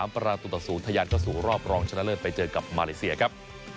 ประตูต่อ๐ทะยานเข้าสู่รอบรองชนะเลิศไปเจอกับมาเลเซียครับ